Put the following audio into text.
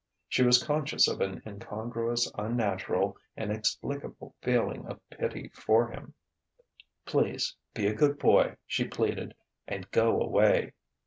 She was conscious of an incongruous, unnatural, inexplicable feeling of pity for him. "Please be a good boy," she pleaded, "and go away."